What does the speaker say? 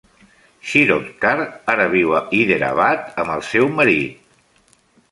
Shirodkar ara viu a Hyderabad amb el seu marit.